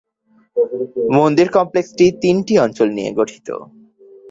মন্দির কমপ্লেক্সটি তিনটি অঞ্চল নিয়ে গঠিত।